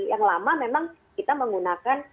yang lama memang kita menggunakan